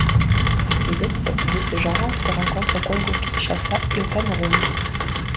Les espèces de ce genre se rencontrent au Congo-Kinshasa et au Cameroun.